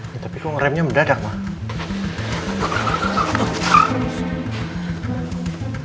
tapi kok remnya mendadak pak